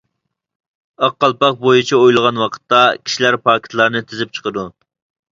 ئاق قالپاق بويىچە ئويلىغان ۋاقىتتا، كىشىلەر پاكىتلارنى تىزىپ چىقىدۇ.